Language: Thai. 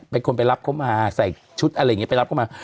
เป็นคนไปรับเขามาใส่ชุดอะไรอย่างนี้ไปรับเข้ามา